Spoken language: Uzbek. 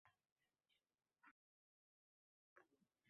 Bo`lmaganga bo`lishma, deb bekorga aytishmagan ekan